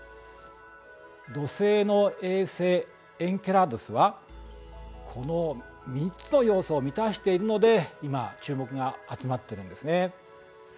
土星の衛星エンケラドゥスはこの３つの要素を満たしているので今注目が集まっているんですね。